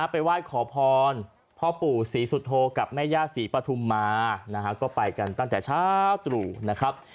ไปไหว้ขอพรพ่อปู่ศรีสุโธกับแม่ย่าศรีปฐุมมานะฮะก็ไปกันตั้งแต่เช้าตรู่นะครับ